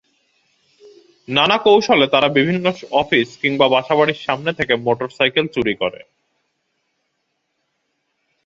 নানা কৌশলে তারা বিভিন্ন অফিস কিংবা বাসাবাড়ির সামনে থেকে মোটরসাইকেল চুরি করে।